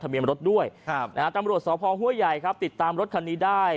เบียนรถด้วยครับนะฮะตำรวจสพห้วยใหญ่ครับติดตามรถคันนี้ได้